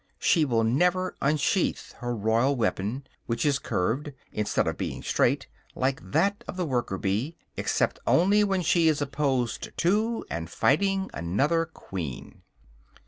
She will never unsheath her royal weapon which is curved, instead of being straight, like that of the worker bee except only when she is opposed to, and fighting, another queen.